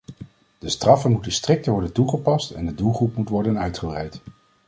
De straffen moeten strikter worden toegepast en de doelgroep moet worden uitgebreid.